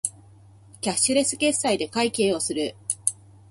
キャッシュレス決済で会計をする